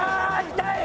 痛い！